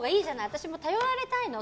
私も頼られたいのよ。